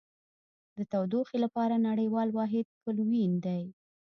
د تودوخې لپاره نړیوال واحد کلوین دی.